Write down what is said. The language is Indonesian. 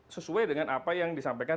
sesuai dengan apa yang disampaikan